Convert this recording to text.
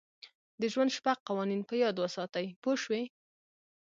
د ژوند شپږ قوانین په یاد وساتئ پوه شوې!.